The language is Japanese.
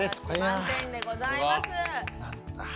満点でございます。